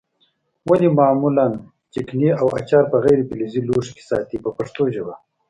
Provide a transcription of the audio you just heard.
ولې معمولا چکني او اچار په غیر فلزي لوښو کې ساتي په پښتو ژبه.